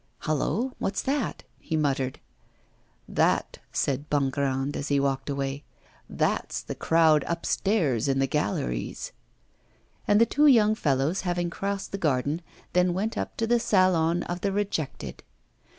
'Hallow, what's that?' he muttered. 'That,' said Bongrand, as he walked away, 'that's the crowd upstairs in the galleries.' And the two young fellows, having crossed the garden, then went up to the Salon of the Rejected.